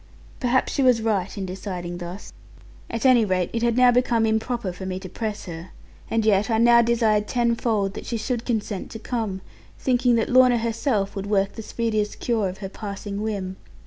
Perhaps she was right in deciding thus; at any rate it had now become improper for me to press her. And yet I now desired tenfold that she should consent to come, thinking that Lorna herself would work the speediest cure of her passing whim.